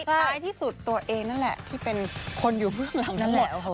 ท้ายที่สุดตัวเองนั่นแหละที่เป็นคนอยู่เบื้องหลังนั้นแล้ว